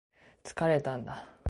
疲れたんだ